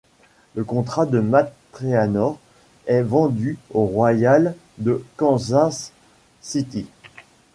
Le contrat de Matt Treanor est vendu aux Royals de Kansas City.